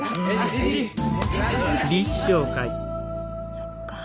そっか。